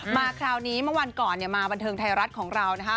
มาคราวนี้เมื่อวันก่อนเนี่ยมาบันเทิงไทยรัฐของเรานะคะ